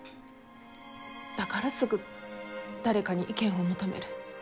だからすぐ誰かに意見を求める。